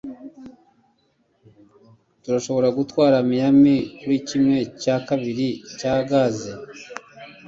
Turashobora gutwara Miami kuri kimwe cya kabiri cya gaze?